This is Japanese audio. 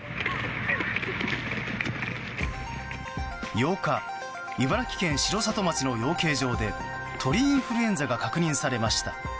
８日、茨城県城里町の養鶏場で鳥インフルエンザが確認されました。